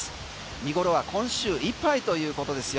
見頃は今週いっぱいということですよ。